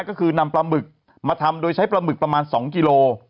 ก็คือนำปลาหมึกมาทำโดยใช้ปลาหมึกประมาณ๒กิโล